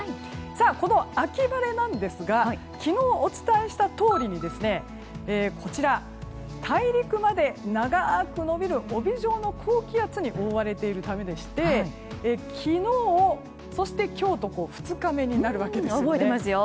この秋晴れなんですが昨日お伝えしたとおりにこちら、大陸まで長く延びる帯状の高気圧に覆われているためでして昨日、そして京都覚えていますよ。